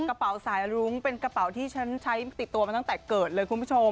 กระเป๋าสายรุ้งเป็นกระเป๋าที่ฉันใช้ติดตัวมาตั้งแต่เกิดเลยคุณผู้ชม